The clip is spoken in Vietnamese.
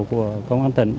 của công an tỉnh